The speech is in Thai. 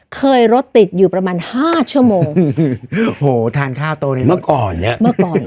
เคยรถติดอยู่ประมาณห้าชั่วโมงเห้อเห้อทานข้าวโตในเมื่อกอนจะเมื่อก่อน